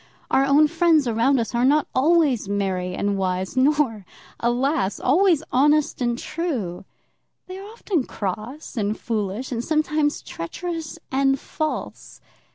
Our own friends around us are not always merry and wise, nor, alas! always honest and true. They are often cross and foolish, and sometimes treacherous and false.